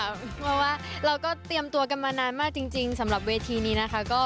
เพราะว่าเราก็เตรียมตัวกันมานานมากจริงสำหรับเวทีนี้นะคะ